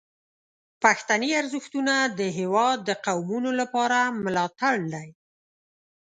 پښتني ارزښتونه د هیواد د قومونو لپاره ملاتړ دي.